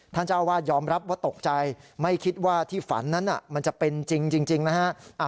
เจ้าอาวาสยอมรับว่าตกใจไม่คิดว่าที่ฝันนั้นมันจะเป็นจริงนะฮะ